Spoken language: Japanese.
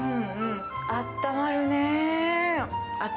あったまるね。